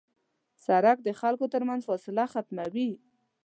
سړک د خلکو تر منځ فاصله ختموي.